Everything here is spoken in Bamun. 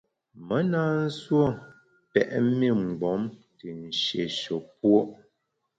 Me na nsuo pèt mi mgbom te nshéshe puo’.